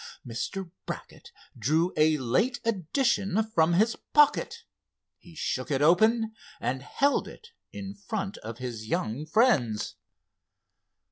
Mr. Brackett drew a late edition from his pocket. He shook it open and held it in front of his young friends.